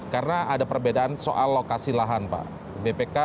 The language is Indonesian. karena ada perbedaan soal lokasi lahan pak